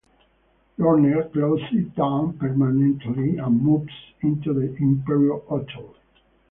Lorne closes it down permanently, and moves into the Hyperion Hotel.